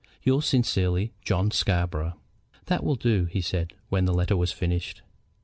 "Yours sincerely, JOHN SCARBOROUGH." "That will do," he said, when the letter was finished.